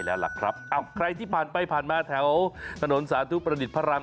ใช่ล่ะครับใครที่ผ่านไปผ่านมาแถวถนนสาธุปรณะดิตพรราม๓